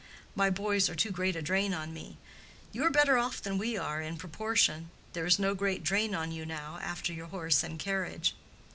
My boys are too great a drain on me. You are better off than we are, in proportion; there is no great drain on you now, after your house and carriage."